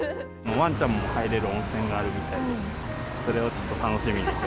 わんちゃんも入れる温泉があるみたいで、それをちょっと楽しみにして。